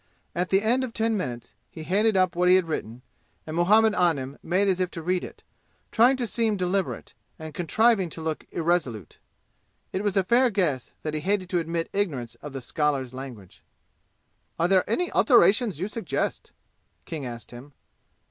At the end of ten minutes he handed up what he had written, and Muhammad Anim made as if to read it, trying to seem deliberate, and contriving to look irresolute. It was a fair guess that he hated to admit ignorance of the scholars' language. "Are there any alterations you suggest?" King asked him.